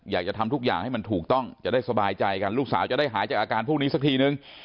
อยากจะทำทุกอย่างให้มันถูกต้องจะได้สบายใจกันลูกสาวจะได้หายจากอาการพวกนี้สักทีนึง